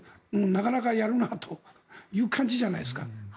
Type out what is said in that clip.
なかなかやるなという感じじゃないですか。